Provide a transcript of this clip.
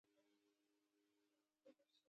د دوکتورا د رسالې موضوع یې ډېره په زړه پورې ده.